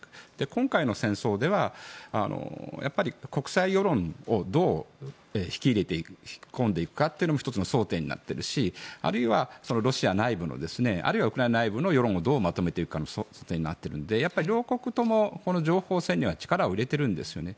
今回の戦争では国際世論をどう引き入れて引き込んでいくかというのも１つの争点になっているしあるいはロシア内部のあるいはウクライナ内部の世論をどうまとめていくかの争点になっているので両国とも、この情報戦には力を入れているんですよね。